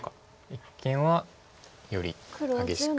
一間はより激しく。